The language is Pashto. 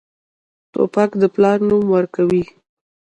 توپک د پلار نوم ورکوي.